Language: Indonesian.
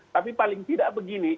tapi paling tidak begini